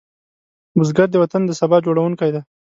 بزګر د وطن د سبا جوړوونکی دی